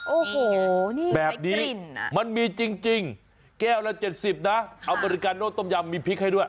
โอ้โหแบบนี้มันมีจริงแก้วละ๗๐นะอเมริกาโน้ตต้มยำมีพริกให้ด้วย